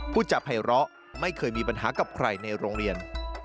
พูดจับให้เลาะไม่เคยมีปัญหากับใครในโรงเรียน